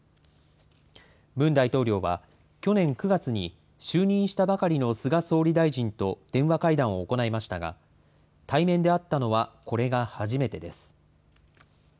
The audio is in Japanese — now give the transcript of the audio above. ムン大統領は、去年９月に、就任したばかりの菅総理大臣と電話会談を行いましたが、対面で会ったのはこれが初めてです。